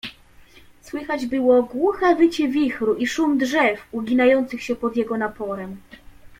"Słychać było głuche wycie wichru i szum drzew, uginających się pod jego naporem."